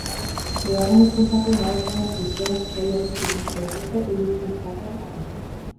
Bigarren hezkuntzakoei dagokionez, gutxienez sei orduz ikasiko dituzte hiru hizkuntzetako bakoitza.